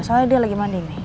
soalnya dia lagi mandi nih